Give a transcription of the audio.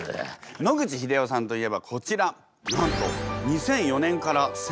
野口英世さんといえばこちら。